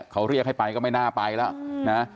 เขาเรียกให้ไปก็ไม่น่าไปแล้วนะ